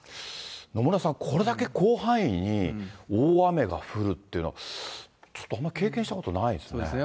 野村さん、これだけ広範囲に大雨が降るっていうのは、ちょっとあんま経験したことないですね。